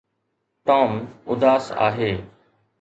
Tom اداس آهي.